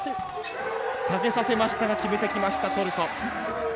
下げさせましたが決めてきましたトルコ。